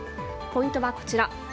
ポイントはこちら。